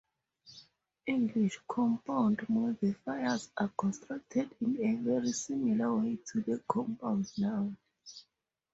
English compound modifiers are constructed in a very similar way to the compound noun.